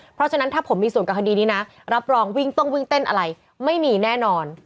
เพราะฉะนั้นถ้าผมมีส่วนกับคดีนี้นะรับรองวิ่งต้องวิ่งเต้นอะไรไม่มีแน่นอน